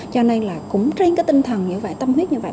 cho nên là cũng trên cái tinh thần như vậy tâm huyết như vậy